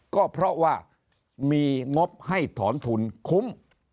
ก็เพราะว่ามีงบให้ถอนทุนคุ้ม